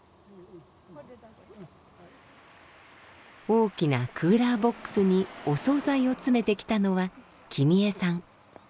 大きなクーラーボックスにお総菜を詰めてきたのは喜美栄さん。